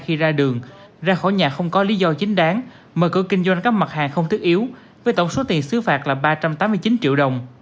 khi ra đường ra khỏi nhà không có lý do chính đáng mở cửa kinh doanh các mặt hàng không thiết yếu với tổng số tiền xứ phạt là ba trăm tám mươi chín triệu đồng